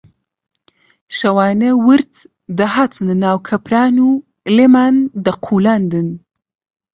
شەوانە ورچ دەهاتنە ناو کەپران و لێمان دەقوولاندن